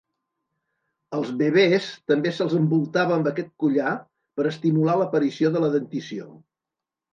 Als bebès també se'ls envoltava amb aquest collar per estimular l'aparició de la dentició.